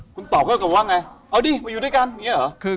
คุณตอบก็คือว่าไงเอาดิมาอยู่ด้วยกันอย่างนี้เหรอ